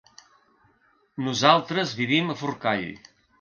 Nosaltres vivim a Forcall.